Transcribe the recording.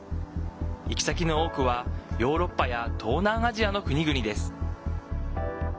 行き先の多くはヨーロッパや東南アジアの国々です。